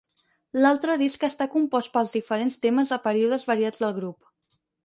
L'altre disc està compost per diferents temes de períodes variats del grup.